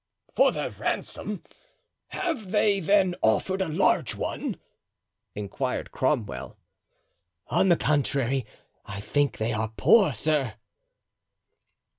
"For their ransom? have they then offered a large one?" inquired Cromwell. "On the contrary, I think they are poor, sir."